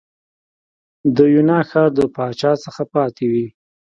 د یونا ښار د پاچا څخه پاتې وې.